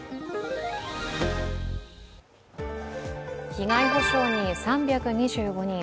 被害補償に３２５人。